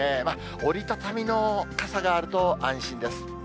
折り畳みの傘があると安心です。